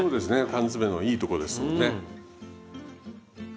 缶詰のいいとこですよね。